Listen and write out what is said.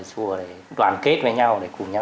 đã làm cho mùa xuân